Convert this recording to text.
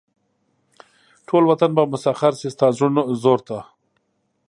ټول وطن به مسخر شي ستاسې زور ته.